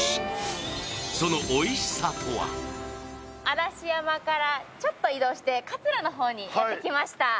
嵐山からちょっと移動して桂の方にやってきました。